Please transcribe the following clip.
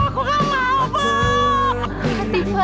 aku gak mau ibu